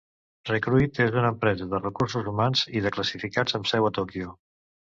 Recruit és una empresa de recursos humans i de classificats amb seu a Tòquio.